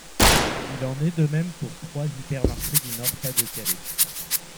Il en est de même pour trois hypermarchés du Nord-Pas-de-Calais.